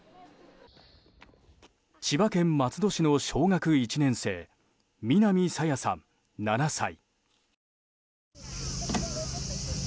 千葉県松戸市の小学１年生南朝芽さん、７歳。